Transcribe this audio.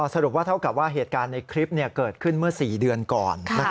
สรุปว่าเท่ากับว่าเหตุการณ์ในคลิปเกิดขึ้นเมื่อ๔เดือนก่อน